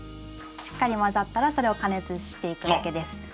しっかり混ざったらそれを加熱していくだけです。